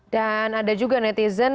dan ada juga netizen